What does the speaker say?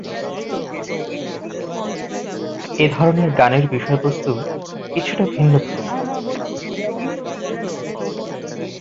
এ ধরনের গানের বিষয়বস্তু কিছুটা ভিন্নধর্মী।